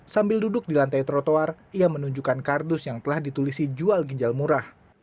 sambil duduk di lantai trotoar ia menunjukkan kardus yang telah ditulisi jual ginjal murah